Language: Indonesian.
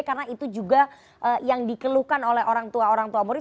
karena itu juga yang dikeluhkan oleh orang tua orang tua murid